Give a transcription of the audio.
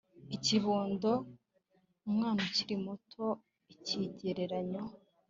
ikibondo umwana ukiri muto.ikigereranyo